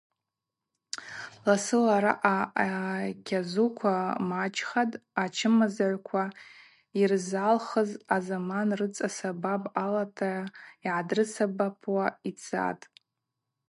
Ласыла араъа акьазуква мачӏхатӏ, ачымазагӏвква йырзалхыз азаман рыцӏа сабап алата йгӏадрысабапуа йцатӏ.